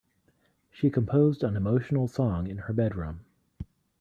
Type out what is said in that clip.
She composed an emotional song in her bedroom.